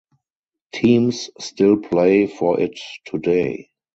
Teams still play for it today.